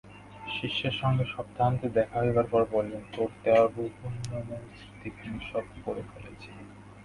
শিষ্যের সঙ্গে সপ্তাহান্তে দেখা হইবার পর বলিলেন তোর দেওয়া রঘুনন্দনের স্মৃতিখানি সব পড়ে ফেলেছি।